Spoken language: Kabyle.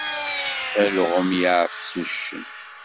Alɣem yeɛfes uccen.